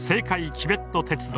チベット鉄道。